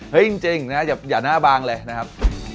จริงนะอย่าหน้าบางเลยนะครับ